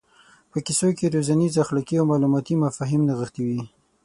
په کیسو کې روزنیز اخلاقي او معلوماتي مفاهیم نغښتي وي.